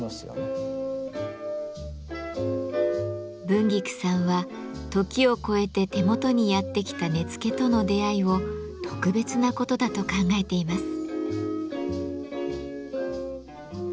文菊さんは時を超えて手元にやって来た根付との出会いを特別なことだと考えています。